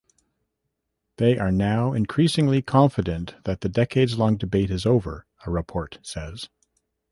They are now increasingly "confident that the decades-long debate is over" a report says.